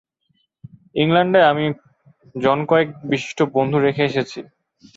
ইংলণ্ডে আমি জনকয়েক বিশিষ্ট বন্ধু রেখে এসেছি।